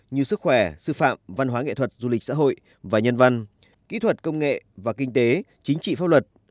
như sức khỏe sư phạm văn hóa nghệ thuật du lịch xã hội và nhân văn kỹ thuật công nghệ và kinh tế chính trị pháp luật